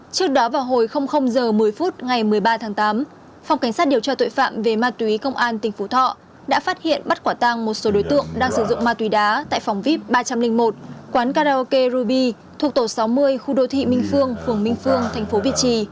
trước đó vào hồi h một mươi phút ngày một mươi ba tháng tám phòng cảnh sát điều tra tội phạm về ma túy công an tỉnh phú thọ đã phát hiện bắt quả tăng một số đối tượng đang sử dụng ma túy đá tại phòng vip ba trăm linh một quán karaoke ruby thuộc tổ sáu mươi khu đô thị minh phương phường minh phương tp việt trì